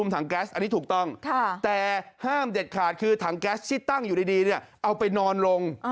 แต่ห้ามเด็ดขาดคือถังแก๊สฝากอยู่ดีเอ้าไปนอนลง